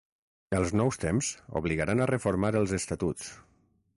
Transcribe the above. Els nous temps obligaran a reformar els estatuts.